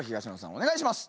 お願いします。